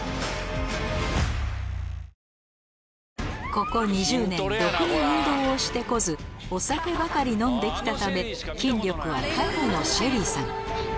ここ２０年ろくに運動をして来ずお酒ばかり飲んで来たため筋力皆無のＳＨＥＬＬＹさん